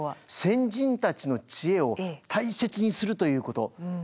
先人たちの知恵を大切にするということ。